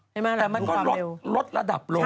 แต่มันก็ลดระดับลง